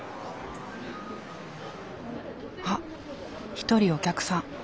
あっ１人お客さん。